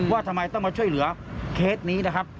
ว่าทำไมต้องมาช่วยเหลือเคสนี้นะครับ